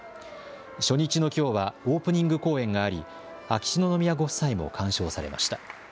初日のきょうはオープニング公演があり秋篠宮ご夫妻も鑑賞されました。